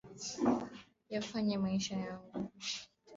Yafanye maisha yangu